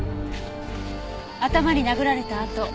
頭に殴られた痕。